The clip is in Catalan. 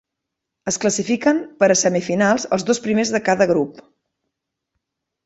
Es classifiquen per a semifinals els dos primers de cada grup.